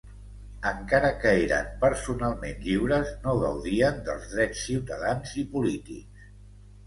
Encara que eren personalment lliures no gaudien dels drets ciutadans i polítics.